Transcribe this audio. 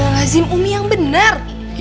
setelah lazim umi yang bener